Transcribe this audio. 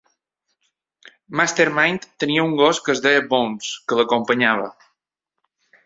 Master Mind també tenia un gos que es deia Bones, que l'acompanyava.